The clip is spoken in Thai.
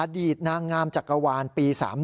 ตนางงามจักรวาลปี๓๑